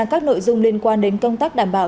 các nội dung liên quan đến công tác đảm bảo